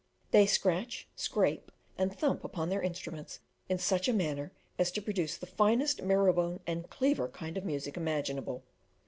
They scratch, scrape, and thump upon their instruments in such a manner, as to produce the finest marrowbone and cleaver kind of music imaginable.